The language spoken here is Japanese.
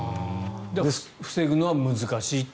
防ぐのは難しいと。